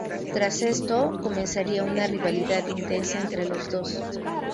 Tras esto, comenzaría una rivalidad intensa entre los dos.